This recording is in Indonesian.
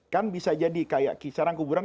kan bisa jadi kayak kisaran kuburan